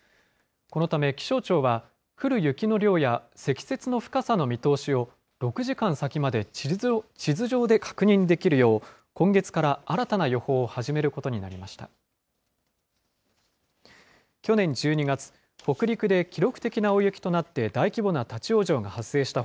このため気象庁は、降る雪の量や積雪の深さの見通しを、６時間先まで地図上で確認できるよう、今月から新たな予報を始めることになりました。